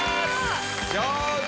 上手！